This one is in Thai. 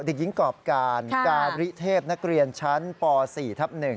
เด็กหญิงกรอบการการิเทพนักเรียนชั้นป๔ทับ๑